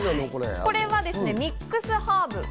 これはミックスハーブ。